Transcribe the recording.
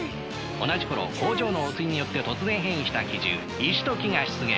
同じころ工場の汚水によって突然変異した奇獣石と樹が出現。